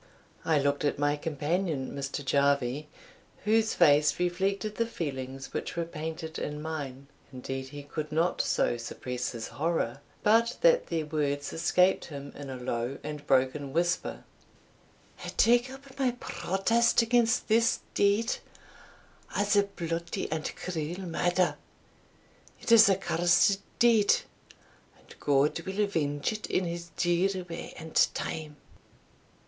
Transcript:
I looked at my companion, Mr. Jarvie, whose face reflected the feelings which were painted in mine. Indeed he could not so suppress his horror, but that the words escaped him in a low and broken whisper, "I take up my protest against this deed, as a bloody and cruel murder it is a cursed deed, and God will avenge it in his due way and time."